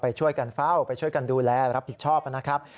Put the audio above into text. ช่วยกันเฝ้าไปช่วยกันดูแลรับผิดชอบนะครับ